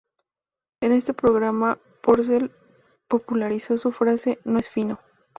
En este programa, Porcel popularizó su frase "¿no es fino?